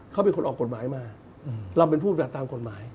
เขาเป็นคนออกกฎหมายมาเราเป็นผู้ปฏิบัติตามกฎหมาย